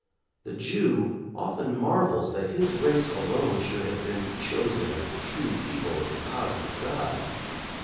The Jew often marvels that his race alone should have been chosen as the true people of the cosmic God.